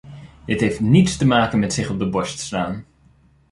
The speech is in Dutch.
Dit heeft niets te maken met zich op de borst slaan.